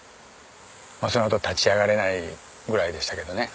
そのあとは立ち上がれないぐらいでしたけどね。